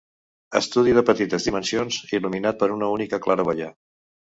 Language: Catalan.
Estudi de petites dimensions il·luminat per una única claraboia.